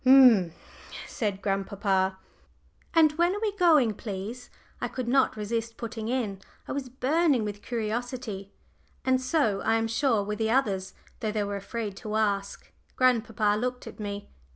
"Umph!" said grandpapa. "And when are we going, please?" I could not resist putting in. I was burning with curiosity, and so, I am sure, were the others, though they were afraid to ask. Grandpapa looked at me.